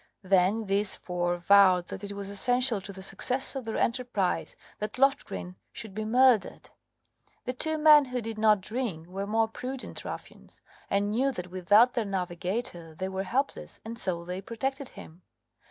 Then these four vowed that it was essential to the success of their enterprise that Loftgreen should be murdered. The two men who did not drink were more prudent ruffians, and knew that without their navigator they were helpless, and so they protected him.